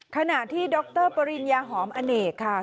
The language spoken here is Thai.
ขณะที่ดรปริญญาหอมอเนกค่ะ